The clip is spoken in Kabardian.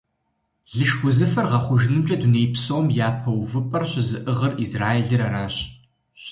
Лышх узыфэр гъэхъужынымкӀэ дуней псом япэ увыпӀэр щызыӀыгъыр Израилыр аращ.